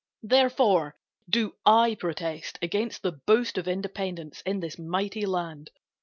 Therefore do I protest against the boast Of independence in this mighty land.